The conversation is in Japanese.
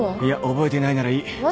いや覚えてないならいい。